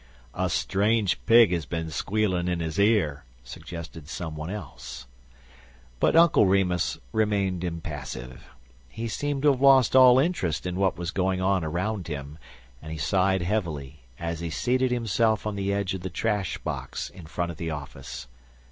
"A strange pig has been squealing in his ear," suggested some one else. But Uncle Remus remained impassive. He seemed to have lost all interest in what was going on around him, and he sighed heavily as he seated himself on the edge of the trash box in front of the office.